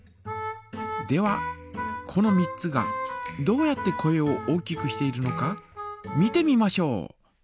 ではこの３つがどうやって声を大きくしているのか見てみましょう！